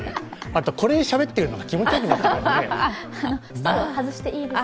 これでしゃべってるのが気持ちよくなってきますね。